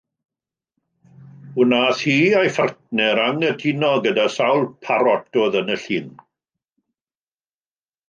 Wnaeth hi a'i phartner anghytuno gyda sawl parot oedd yn y llun